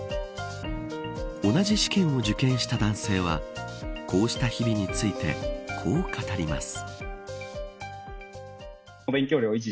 同じ試験を受験した男性はこうした日々についてこう語ります。